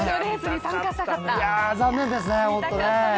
いや残念ですね。